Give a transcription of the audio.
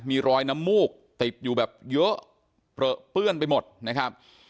มีรอยน้ำมูกติดอยู่แบบเยอะเปลือเปื้อนไปหมดนะครับ